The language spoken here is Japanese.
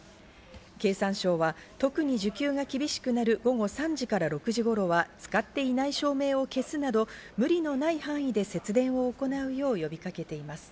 経産省は特に需給が厳しくなる午後３時から６時頃は使っていない照明を消すなど無理のない範囲で節電を行うよう呼びかけています。